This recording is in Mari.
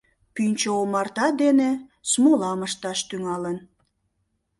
Пӱнчӧ омарта дене смолам ышташ тӱҥалын.